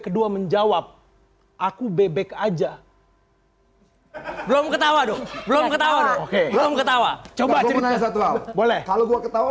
kedua menjawab aku bebek aja belum ketawa dong belum ketawa dong oke belum ketawa coba boleh kalau gue ketawa